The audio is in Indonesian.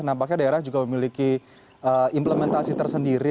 nampaknya daerah juga memiliki implementasi tersendiri